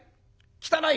汚い？